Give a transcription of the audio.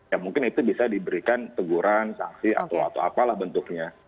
ya mungkin itu bisa diberikan teguran sanksi atau apalah bentuknya